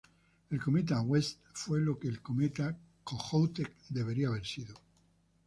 El cometa West fue lo que el cometa Kohoutek debería haber sido.